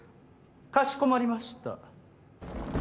かしこまりました。